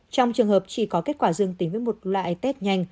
trong trường hợp chỉ có kết quả dương tính với một loại test nhanh